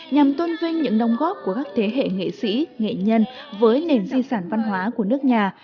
nhằm tôn vinh những đồng góp của các thế hệ nghệ sĩ nghệ nhân với nền di sản văn hóa của nước nhà